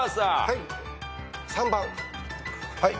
はい。